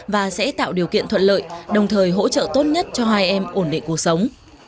và sẽ tạo điều kiện thuận lợi đồng thời hỗ trợ tốt nhất cho hai em ổn định cuộc sống